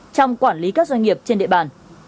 trong quản lý các doanh nghiệp trên địa bàn